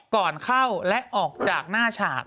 ก่อนเข้าและออกจากหน้าฉาก